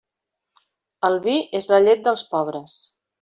El vi és la llet dels pobres.